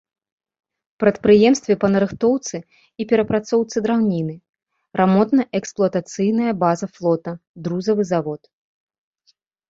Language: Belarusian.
Прадпрыемствы па нарыхтоўцы і перапрацоўцы драўніны, рамонтна-эксплуатацыйная база флота, друзавы завод.